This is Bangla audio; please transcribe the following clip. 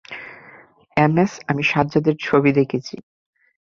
এমএস, আমি সাজ্জাদের ছবি দেখেছি।